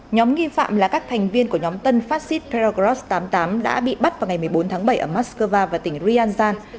nhóm nghi phạm là các thành viên của nhóm tân fascist peregros tám mươi tám đã bị bắt vào ngày một mươi bốn tháng bảy ở moscow và tỉnh ryanzan